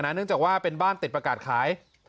เนื่องจากว่าเป็นบ้านติดประกาศขาย